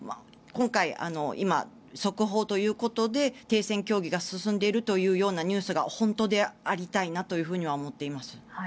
今回、今、速報ということで停戦協議が進んでいるというニュースが本当でありたいなとは思っています。